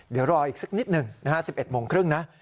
เดี๋ยวรออีกสักนิดหนึ่งนะฮะ๑๑โมงครึ่งนะ